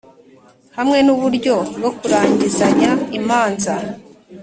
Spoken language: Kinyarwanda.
hamwe n uburyo bwo kurangizanya imanza